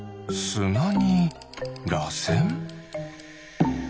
すなにらせん？